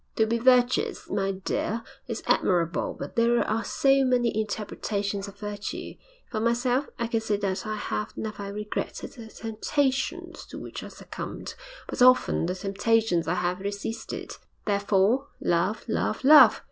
To be virtuous, my dear, is admirable, but there are so many interpretations of virtue. For myself, I can say that I have never regretted the temptations to which I succumbed, but often the temptations I have resisted. Therefore, love, love, love!